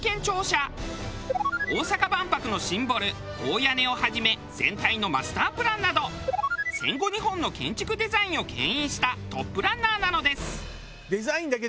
大阪万博のシンボル大屋根をはじめ全体のマスタープランなど戦後日本の建築デザインを牽引したトップランナーなのです。